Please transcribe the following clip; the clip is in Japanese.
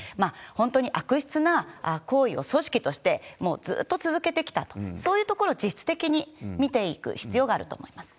本当に悪質な行為を組織としてもうずーっと続けてきたと、そういうところを実質的に見ていく必要があると思います。